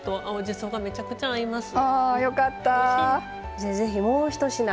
じゃあぜひもう一品